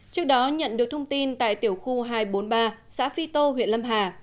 trước đó nhận được thông tin tại tiểu khu hai trăm bốn mươi ba xã phi tô huyện lâm hà